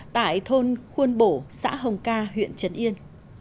tại thôn khuôn bổ xã hồng ca huyện trấn yên